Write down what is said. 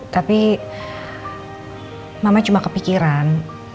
tapi mama cuma kepikiran